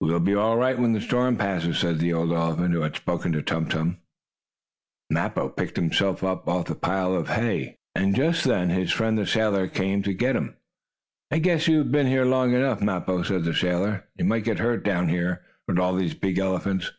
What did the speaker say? "We will be all right when the storm passes," said the old elephant who had spoken to Tum Tum. Mappo picked himself up off the pile of hay, and, just then, his friend the sailor came to get him. "I guess you have been here long enough, Mappo," said the sailor. "You might get hurt down here, with all these big elephants."